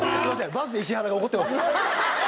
バースデー石原が怒ってます。